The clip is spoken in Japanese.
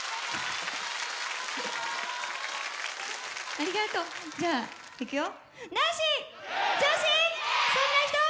ありがとう！じゃあいくよ！